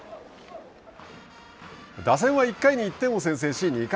打線は１回に１点を先制し２回。